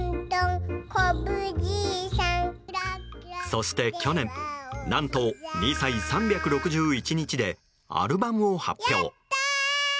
そして去年何と２歳３６１日でアルバムを発表。